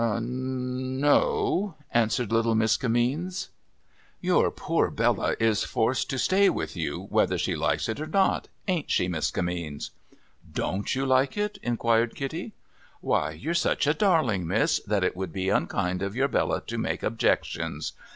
' N — no,' answered Uttle Miss Kimmeens. POOR BELLA 269 ' Your poor Bella is forced to stay with you, whether she likes it or not ; ain't she, Miss Kimmeens ?'' Don't you like it ?' inquired Kitty. ' AVhy, you're such a darling, Miss, that it would be unkind of your Bella to make objections.